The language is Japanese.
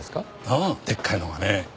ああでっかいのがね。